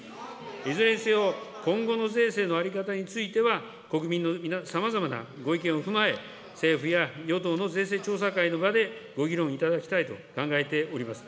いずれにせよ、今後の税制の在り方については、国民のさまざまなご意見を踏まえ、政府や与党の税制調査会の場で、ご議論いただきたいと考えております。